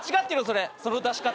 それその出し方。